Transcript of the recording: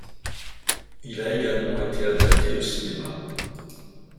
Il a également été adapté au cinéma.